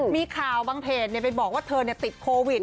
มีข่าวบางเพจไปบอกว่าเธอติดโควิด